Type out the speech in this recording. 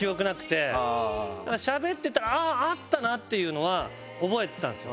しゃべってた会ったなっていうのは覚えてたんですよ。